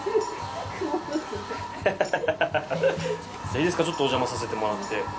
いいですかちょっとおじゃまさせてもらって。